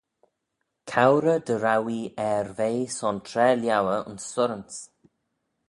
Cowrey dy row ee er ve son traa liauyr ayns surranse.